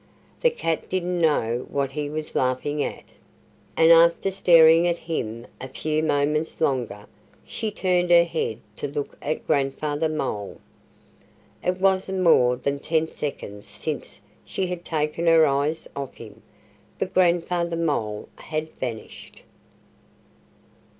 The cat didn't know what he was laughing at. And after staring at him a few moments longer she turned her head to look at Grandfather Mole. It wasn't more than ten seconds since she had taken her eyes off him. But Grandfather Mole had vanished.